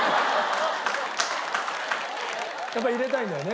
やっぱり入れたいんだよね。